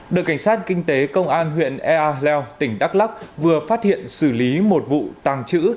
đội cảnh sát kinh tế công an huyện ea leo tỉnh đắk lắc vừa phát hiện xử lý một vụ tàng trữ